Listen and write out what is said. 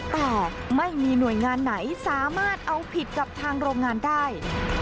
แต่ไม่มีหน่วยงานไหนสามารถเอาผิดกับทางโรงงานได้